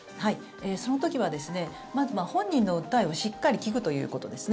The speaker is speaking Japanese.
その時は、本人の訴えをしっかり聞くということですね。